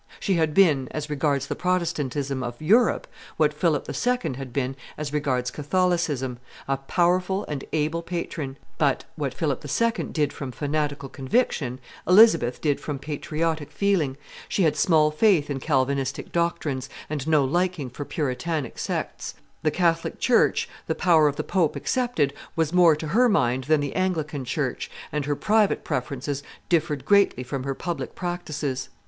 She had been, as regards the Protestantism of Europe, what Philip II. had been, as regards Catholicism, a powerful and able patron; but, what Philip II. did from fanatical conviction, Elizabeth did from patriotic feeling; she had small faith in Calvinistic doctrines, and no liking for Puritanic sects; the Catholic church, the power of the pope excepted, was more to her mind than the Anglican church, and her private preferences differed greatly from her public practices.